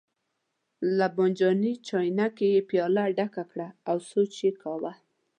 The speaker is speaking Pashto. له بانجاني چاینکې یې پیاله ډکه کړه او سوچ یې کاوه.